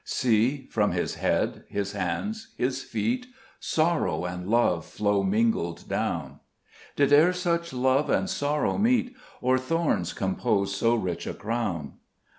3 See, from His head, His hands, His feet, Sorrow and love flow mingled down : Did e'er such love and sorrow meet, Or thorns compose so rich a crown